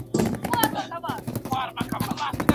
بحث ته د لارې هوارول ګران نه دي.